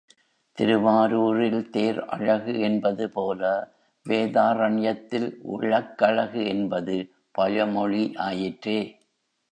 திருவாரூரில் தேர் அழகு என்பது போல வேதாரண்யத்தில் விளக்கழகு என்பது பழமொழி ஆயிற்றே.